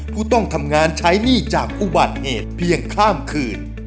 ผู้ต้องทำงานใช้หนี้จากอุบัติเหตุเพียงข้ามคืน